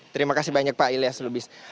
terima kasih banyak pak ilyas lubis